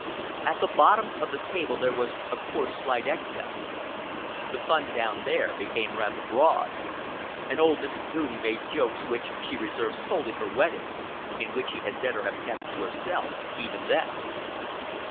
At the bottom of the table there was of course slight excess. The fun down there became rather broad. And old Mrs. Goudie made jokes which she reserved solely for weddings, and which she had better have kept to herself even then.